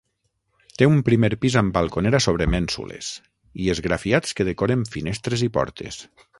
Té un primer pis amb balconera sobre mènsules, i esgrafiats que decoren finestres i portes.